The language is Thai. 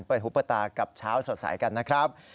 เปิดหุบประตากับเช้าสว่าสายกันนะครับ